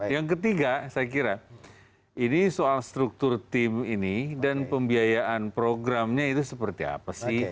yang ketiga saya kira ini soal struktur tim ini dan pembiayaan programnya itu seperti apa sih